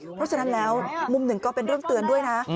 เพราะฉะนั้นแล้วมุมหนึ่งก็เป็นเรื่องเตือนด้วยนะ